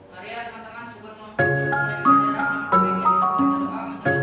mari ya teman teman supermoto